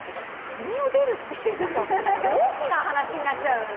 国を出るっていう何か大きな話になっちゃう。